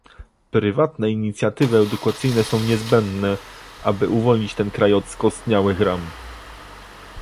Prywatne inicjatywy edukacyjne są niezbędne, aby uwolnić ten kraj od skostniałych ram